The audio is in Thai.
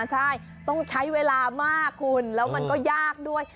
ใช่ต้องใช้เวลามากคุณแล้วมันก็ยากด้วย